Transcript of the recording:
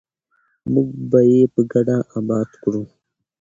موږ به یې په ګډه اباد کړو.